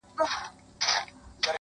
كه څه هم په دار وځړوو _